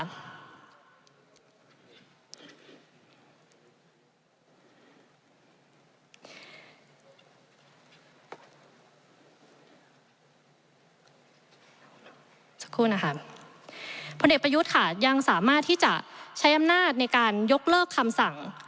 พศชพศพนิตประยุทธค่ะยังสามารถที่จะใช้อำนาจในการยกเลิกคำสั่ง